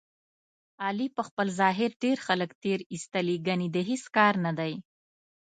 علي په خپل ظاهر ډېر خلک تېر ایستلي، ګني د هېڅ کار نه دی.